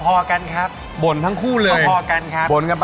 โชคความแม่นแทนนุ่มในศึกที่๒กันแล้วล่ะครับ